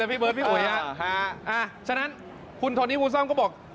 และฉะนั้นคุณทรนี่วุฒัมก็บอก